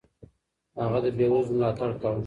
هغه د بېوزلو ملاتړ کاوه.